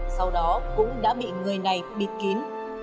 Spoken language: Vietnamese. sau đó cũng đã bị người này bịt kín